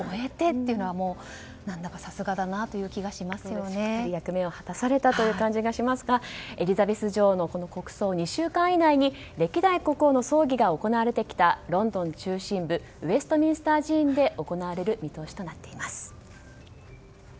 しっかり役目を果たされた感じがしますがエリザベス女王のこの国葬、２週間以内に歴代国王の葬儀が行われてきたロンドン中心部ウェストミンスター寺院で行われる見通しとなっています。